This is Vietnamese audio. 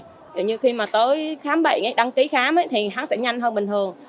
giống như khi mà tới khám bệnh ấy đăng ký khám ấy thì hắn sẽ nhanh hơn bình thường